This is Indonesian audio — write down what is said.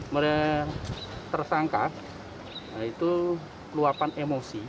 menurut tersangka itu luapan emosi